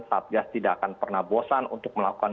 satgas tidak akan pernah bosan untuk melakukan